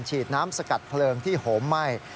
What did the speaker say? ฉีดน้ำสกัดเพลิงที่โหมไหม้